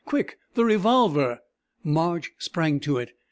"Quick the revolver!" Marge sprang to it.